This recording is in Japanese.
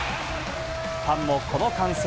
ファンもこの歓声。